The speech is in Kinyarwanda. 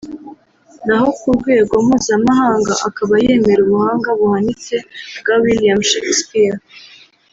naho ku rwego mpuzamahanga akaba yemera ubuhanga buhanitse bwa William Shakespeare